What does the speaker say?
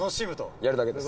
やるだけです。